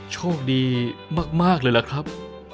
ช่วงดีมากเลยล่ะครับ